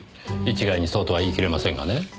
一概にそうとは言い切れませんがね。